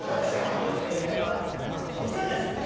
正解はなんとこちらです！